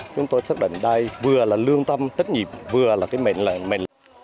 chúng tôi xác định đây vừa là lương tâm tất nhiệm vừa là cái mệnh lệnh